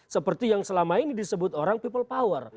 seperti yang selama ini disebut orang people power